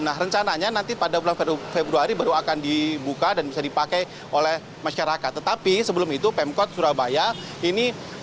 nah rencananya nanti pada bulan februari baru akan diumumkan